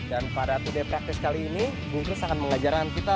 dan pada today practice kali ini bung chris akan mengajarkan kita